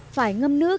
phải ngâm nước